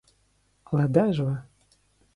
Але де ж ви?